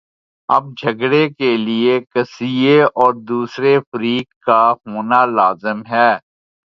اب جھگڑے کے لیے قضیے اور دوسرے فریق کا ہونا لازم ہے۔